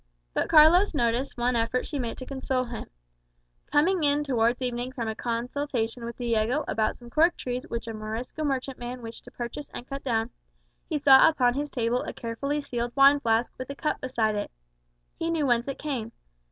But Carlos noticed one effort she made to console him. Coming in towards evening from a consultation with Diego about some cork trees which a Morisco merchantman wished to purchase and cut down, he saw upon his table a carefully sealed wine flask, with a cup beside it. He knew whence it came.